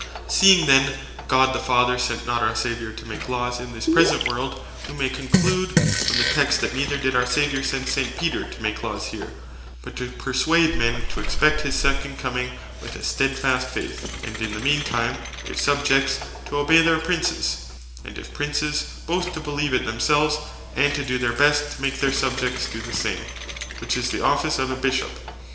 Seeing then God the Father sent not our Saviour to make Laws in this present world, wee may conclude from the Text, that neither did our Saviour send S. Peter to make Laws here, but to perswade men to expect his second comming with a stedfast faith; and in the mean time, if Subjects, to obey their Princes; and if Princes, both to beleeve it themselves, and to do their best to make their Subjects doe the same; which is the Office of a Bishop.